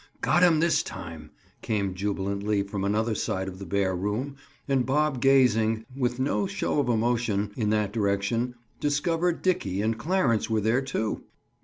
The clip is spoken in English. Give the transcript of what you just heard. "Got him this time!" came jubilantly from another side of the bare room, and Bob gazing, with no show of emotion, in that direction, discovered Dickie and Clarence were there too.